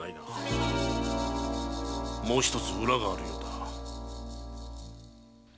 もうひとつ裏があるようだ。